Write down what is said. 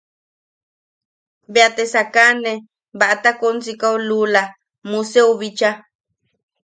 Beate sakane Ba- takonsika lula Museo bicha.